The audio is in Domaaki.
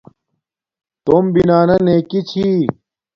توم بنانا نیکی چھی